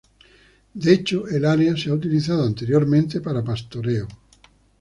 De hecho, el área se ha utilizado anteriormente para pastoreo.